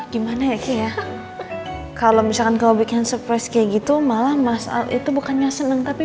gimana ya kalau misalkan kalau bikin surprise kayak gitu malah mas al itu bukannya seneng tapi